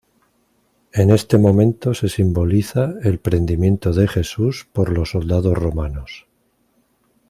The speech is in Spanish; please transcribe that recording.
En este momento se simboliza "El Prendimiento de Jesús" por los soldados romanos.